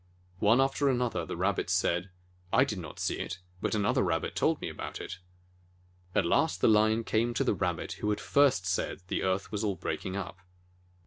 One after another of the Rabbits said : "I did not see it, but another Rabbit told me about it." At last the Lion came to the Rabbit who had first said the earth was all breaking up.